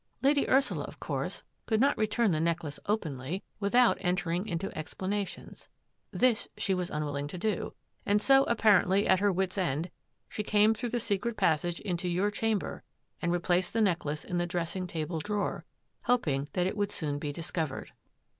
Lady Ursula, of course, could not return the neck lace openly without entering into explanations. This she was unwilling to do, and so, apparently at her wits' end, she came through the secret passage into your chamber and replaced the necklace in the dressing table drawer, hoping that it would soon be discovered."